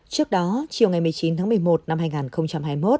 trước đó chiều ngày một mươi chín tháng một mươi một năm hai nghìn hai mươi một